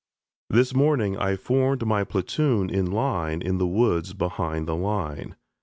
This morning I formed my platoon in line in the woods behind the line.